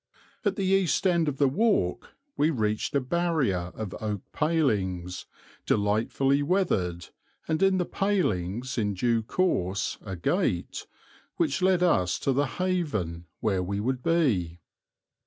At the east end of the walk we reached a barrier of oak palings, delightfully weathered, and in the palings in due course a gate, which led us to the haven where we would be.